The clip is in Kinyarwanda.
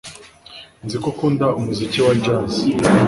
Nzi ko akunda umuziki wa jazz